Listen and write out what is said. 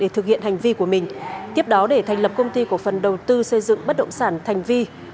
để thực hiện hành vi của mình tiếp đó để thành lập công ty cổ phần đầu tư xây dựng bất động sản thành vi